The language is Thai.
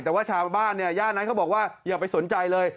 แต่ว่าชาวบ้านเนี่ยย่านนั้นเขาบอกว่าอย่าไปสนใจเลย